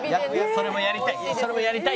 それもやりたい。